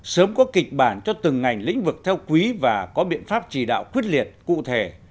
sớm có kịch bản cho từng ngành lĩnh vực theo quý và có biện pháp chỉ đạo quyết liệt cụ thể